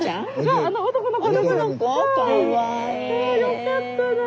あよかったねえ。